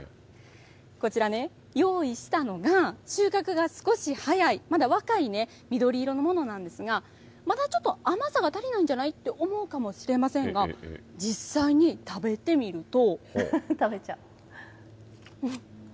こちら、用意したのが収穫が少し早いまだ若いね緑色のものなんですがまだちょっと甘さが足りないんじゃないと思うかもしれませんが実際に食べてみると。